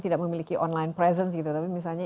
tidak memiliki online presence gitu tapi misalnya